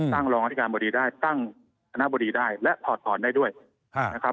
ตั้งรองอธิการบดีได้ตั้งอันดับบดีได้และถอดผ่อนได้ด้วยนะครับ